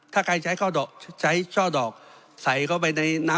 ถ้าใครใช้ช่อดอกใส่เข้าไปในน้ำซุปก๋วยเตี๋ยวใส่เข้าไปในหม้อแกง